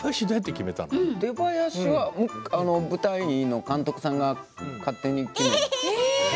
出囃子は舞台の監督さんが勝手に決めて。